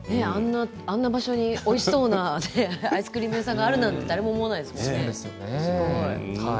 あんな場所においしそうなアイスクリーム屋さんがあるなんて誰も思わないですよねすごい。